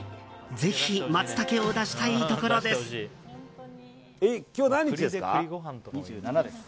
ぜひマツタケを出したいところです。